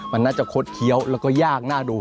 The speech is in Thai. มันน่าจะคดเคี้ยวแล้วก็ยากน่าดู